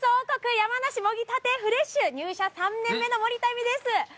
山梨、もぎたてフレッシュ入社３年目の森田絵美です。